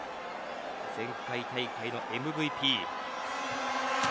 前回大会のＭＶＰ。